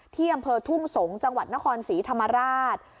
ที่อำเภอทุ่งสงศ์จังหวัดนครศรีธรรมราช